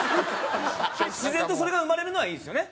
自然とそれが生まれるのはいいですよね。